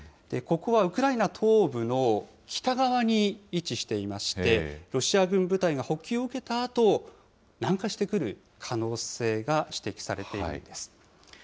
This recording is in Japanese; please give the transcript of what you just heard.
ここはウクライナ東部の北側に位置していまして、ロシア軍部隊が補給を受けたあと、南下してくる可能性が指摘されているんです。